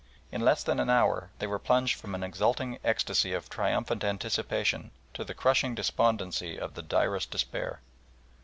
In less than an hour they were plunged from an exulting ecstasy of triumphant anticipation to the crushing despondency of the direst despair.